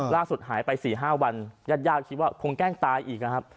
ล่าสุดหายไป๔๕วันญาติคิดว่าคงแกล้งตายอีกนะครับ